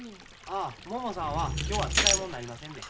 ああももさんは今日は使い物になりませんで。